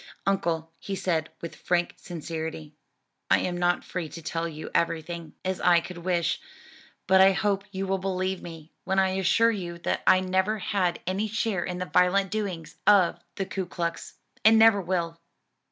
"Uncle," he said with frank sincerity, "I am not free to tell you everything, as I could wish, but I hope you will believe me when I assure you that I never had any share in the violent doings of the Ku Klux, and never will."